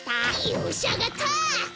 よしあがった！